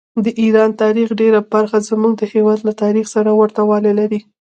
د ایران تاریخ ډېره برخه زموږ د هېواد له تاریخ سره ورته والي لري.